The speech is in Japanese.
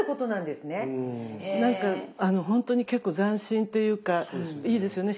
なんかあのほんとに結構斬新っていうかいいですよね。